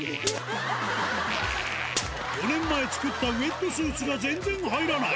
４年前作ったウエットスーツが全然入らない。